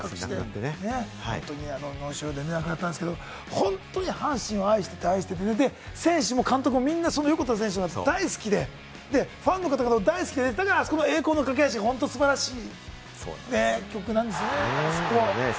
本当に脳腫瘍で亡くなったんですけれど、阪神を愛して、愛して、選手も監督もその横田選手が大好きで、ファンの方も大好きで、だからあそこで『栄光の架橋』、素晴らしい！